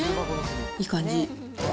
いい感じ。